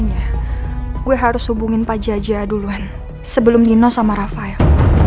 gimanapun caranya gue harus hubungin pak jajah duluan sebelum nino sama rafael